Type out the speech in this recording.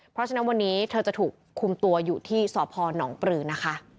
เพราะฉะนั้นวันนี้เธอจะถูกคุมตัวอยู่ที่สพนปรือนะคะ